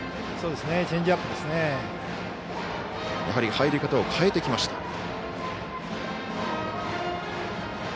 やはり入り方を変えてきました。